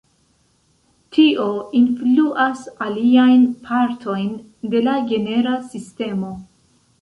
Tio influas aliajn partojn de la genera sistemo.